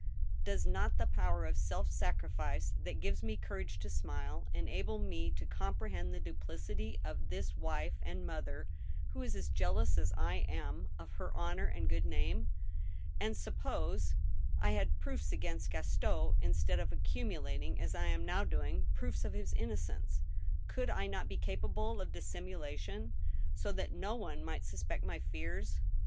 Does not the power of self sacrifice, that gives me courage to smile, enable me to comprehend the duplicity of this wife and mother, who is as jealous as I am of her honor and good name ? And suppose I had proofs against Gaston instead of accumulating, as I am now doing, proofs of his innocence, could I not be capable of dissimulation, so that no one might suspect my fears?